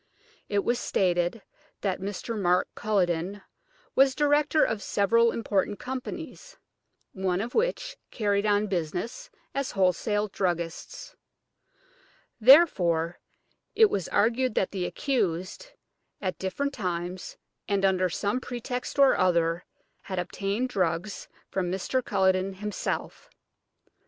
It was stated that Mr. Mark Culledon was director of several important companies, one of which carried on business as wholesale druggists. Therefore it was argued that the accused, at different times and under some pretext or other, had obtained drugs from Mr. Culledon himself.